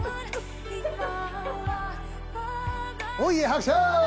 はい拍手！